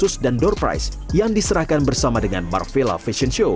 khusus dan door price yang diserahkan bersama dengan marvella fashion show